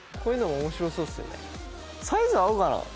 サイズ合うかな？